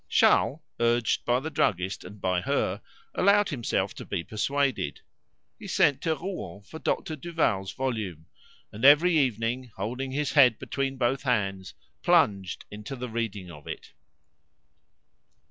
Charles, urged by the druggist and by her, allowed himself to be persuaded. He sent to Rouen for Dr. Duval's volume, and every evening, holding his head between both hands, plunged into the reading of it.